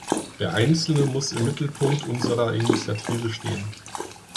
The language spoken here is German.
Der Einzelne muss im Mittelpunkt unserer Initiative stehen.